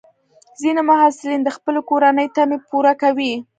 ځینې محصلین د خپلې کورنۍ تمې پوره کوي.